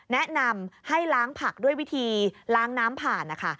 แนะนำให้ล้างผักด้วยวิธีล้างน้ำผ่านนะคะ